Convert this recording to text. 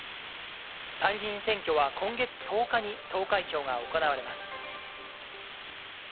参議院選挙は今月１０日に投開票が行われます。